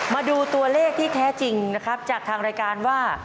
มาดูตัวเลขที่แท้จริงนะครับจากทางรายการว่า